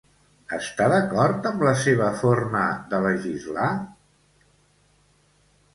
Està d'acord amb la seva forma de legislar?